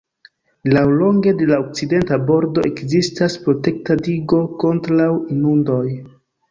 Laŭlonge de la okcidenta bordo ekzistas protekta digo kontraŭ inundoj.